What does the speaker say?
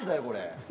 これ。